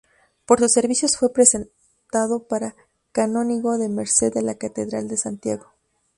Por sus servicios fue presentado para canónigo de merced de la Catedral de Santiago.